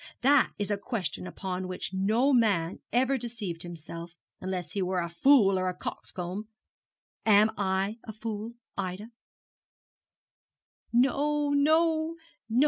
That is a question upon which no man ever deceived himself, unless he were a fool or a coxcomb. Am I a fool, Ida?' 'No, no, no.